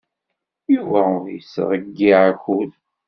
Yuba ur yettḍeyyiɛ akud.